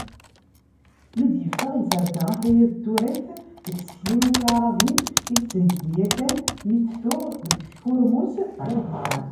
Mi d-yeffeɣ, yesɛedda akayad n turagt deg tsekliwin tiɛrabin i yettheyyi yakan mi t-tuɣ deg tkurmut, di Wehran.